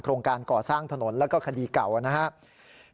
โรงการก่อสร้างถนนแล้วก็คดีเก่านะครับ